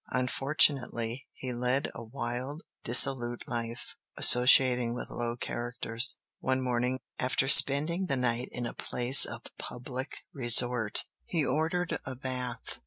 Unfortunately he led a wild, dissolute life, associating with low characters. One morning, after spending the night in a place of public resort, he ordered a bath.